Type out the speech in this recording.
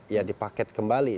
ya dipaket kembali